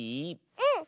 うん！